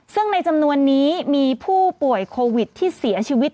ซึ่งในจำนวนนี้มีผู้ป่วยโควิดที่เสียชีวิต